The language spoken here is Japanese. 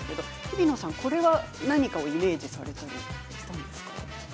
ひびのさん、これは何かをイメージされたんですか？